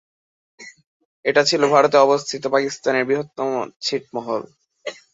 এটি ছিল ভারতে অবস্থিত পাকিস্তানের বৃহত্তম ছিটমহল।